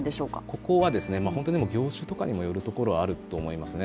ここは本当に業種とかによるところもあると思いますね。